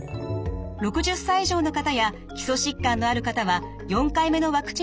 ６０歳以上の方や基礎疾患のある方は４回目のワクチン接種を受けましょう。